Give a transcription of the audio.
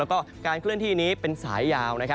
แล้วก็การเคลื่อนที่นี้เป็นสายยาว